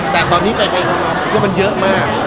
แต่ตอนนี้ใบไทยเรารู้ถึงว่ามันเยอะมาก